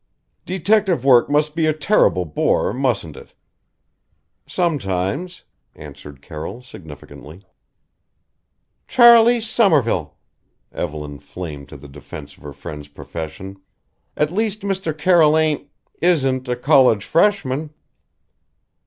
"Detective work must be a terrible bore mustn't it?" "Sometimes," answered Carroll significantly. "Charley Somerville!" Evelyn flamed to the defense of her friend's profession. "At least Mr. Carroll ain't isn't a college freshman."